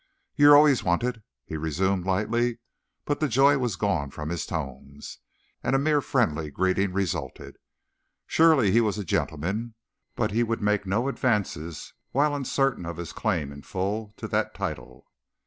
"You're always wanted," he resumed, lightly, but the joy was gone from his tones, and a mere friendly greeting resulted. Surely, he was a gentleman, but he would make no advances while uncertain of his claim in full to that title.